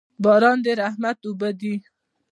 باران د رحمت اوبه دي